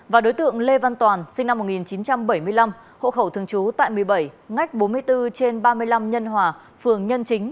và đối tượng lê văn toàn sinh năm một nghìn chín trăm bảy mươi năm hộ khẩu thường trú tại một mươi bảy ngách bốn mươi bốn trên ba mươi năm nhân hòa phường nhân chính